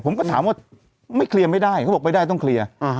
ผมก็ถามว่าไม่เคลียร์ไม่ได้เขาบอกไม่ได้ต้องเคลียร์